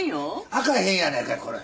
開かへんやないかいこれ。